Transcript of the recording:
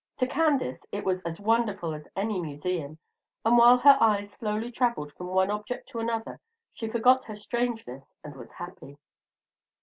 To Candace it was as wonderful as any museum; and while her eyes slowly travelled from one object to another, she forgot her strangeness and was happy.